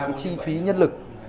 cái chi phí nhân lực